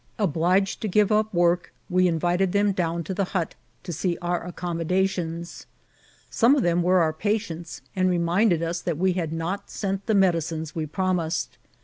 Obliged to give up work, we invited them down to the hut to see our accommodations. Some of them were our patients, and reminded us that we had not sent the medicines we promised.